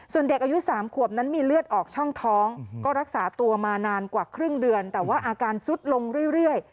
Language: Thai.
ส่วนเด็กอายุ๓ขวบนั้นมีเลือดออกช่องท้องก็รักษาตัวมานานกว่าครึ่งเดือนแต่ว่าอาการซุดลงเรื่อย